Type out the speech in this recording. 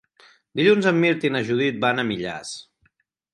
Dilluns en Mirt i na Judit van a Millars.